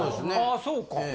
ああそうか。